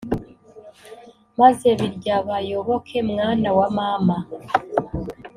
maze biryabayoboke mwana wa mama